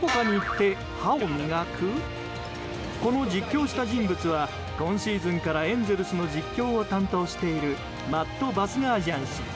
この実況をした人物は今シーズンからエンゼルスの実況を担当しているマット・バスガーシアン氏。